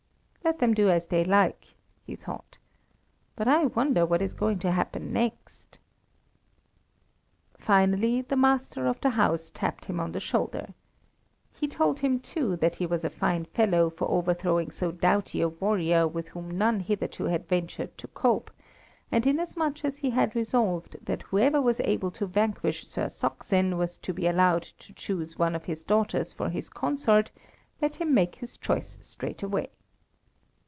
"Let them do as they like," he thought; "but I wonder what is going to happen next." Finally, the master of the house tapped him on the shoulder. He told him too that he was a fine fellow for overthrowing so doughty a warrior with whom none hitherto had ventured to cope, and inasmuch as he had resolved that whoever was able to vanquish Sir Saksin was to be allowed to choose one of his daughters for his consort, let him make his choice straightway.